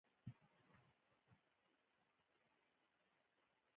سوله د هوسا ژوند لومړنی شرط دی.